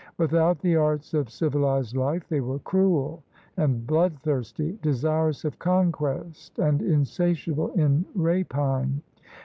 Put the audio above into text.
Without the arts of civilized life, they were cruel and bloodthirsty, desirous of conquest, and insatiable in rapine.